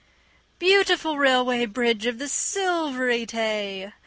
Beautiful Railway Bridge of the Silvery Tay!